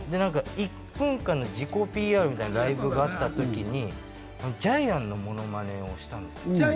１分間の自己ＰＲみたいなライブがあった時に、ジャイアンのモノマネをしたんですよ。